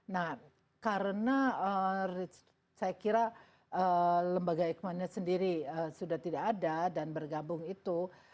nah karena saya kira lembaga eijkmannya sendiri sudah tidak ada dan bergabung itu